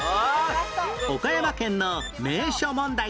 岡山県の名所問題